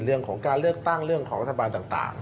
เรื่องของการตั้งเลือกของก๑๐๘ต่าง